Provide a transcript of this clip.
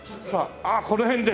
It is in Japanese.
あっこの辺で！